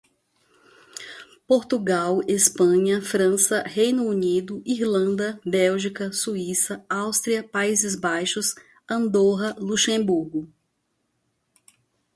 Portugal, Espanha, França, Reino Unido, Irlanda, Bélgica, Suíça, Áustria, Países Baixos, Andorra, Luxemburgo